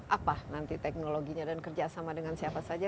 apa nanti teknologinya dan kerjasama dengan siapa saja